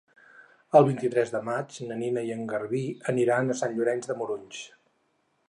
El vint-i-tres de maig na Nina i en Garbí aniran a Sant Llorenç de Morunys.